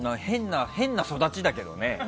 変な育ちだけどね。